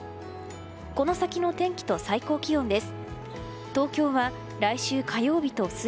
この先の天気と最高気温です。